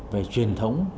về truyền thống văn hiệu